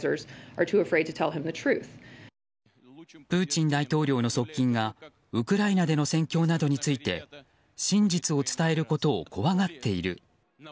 プーチン大統領の側近がウクライナでの戦況などについて真実を伝えることを怖がっている。